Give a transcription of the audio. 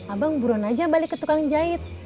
abang buron aja balik ke tukang jahit